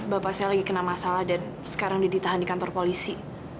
bapak saya lagi kena masalah dan sekarang ditahan di kantor polisi